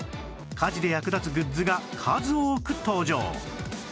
家事で役立つグッズが数多く登場